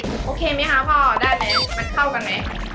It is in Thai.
โอเคไหมคะพ่อได้ไหมมันเข้ากันไหม